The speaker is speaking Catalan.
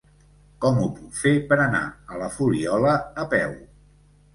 Com ho puc fer per anar a la Fuliola a peu?